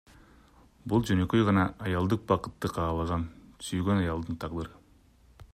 Бул жөнөкөй гана аялдык бакытты каалаган сүйгөн аялдын тагдыры.